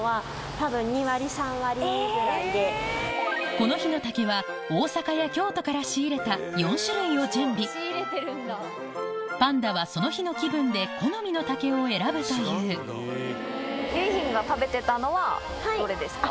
この日の竹は大阪や京都から仕入れた４種類を準備パンダはその日の気分で好みの竹を選ぶという結浜が食べてたのはどれですか？